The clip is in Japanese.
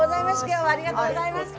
今日はありがとうございます。